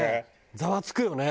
ざわつくよね。